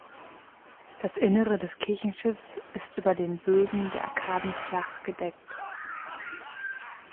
Das Innere des Kirchenschiffs ist über den Bögen der Arkaden flach gedeckt.